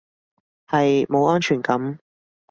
係，冇安全感